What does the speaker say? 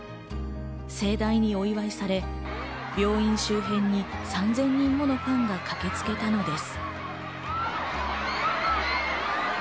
盛大にお祝いされ病院周辺に３０００人ものファンが駆けつけたのです。